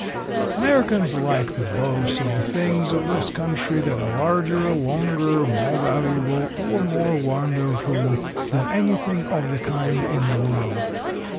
Americans like to boast of the things of this country that are larger, longer, more valuable, or more wonderful than anything of the kind in the world.